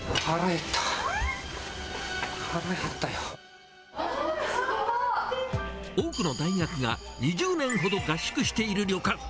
すごい！多くの大学が２０年ほど合宿している旅館。